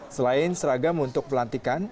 selain seragam untuk pelantikan